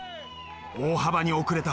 大幅に遅れた。